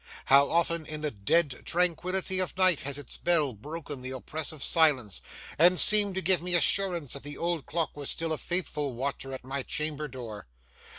how often in the dead tranquillity of night has its bell broken the oppressive silence, and seemed to give me assurance that the old clock was still a faithful watcher at my chamber door!